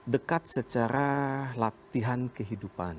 dekat secara latihan kehidupan